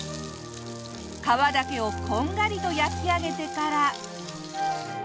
皮だけをこんがりと焼き上げてから。